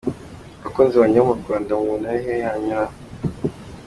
Bakunzi banjye bo mu Rwanda mubona ari he hanyura?".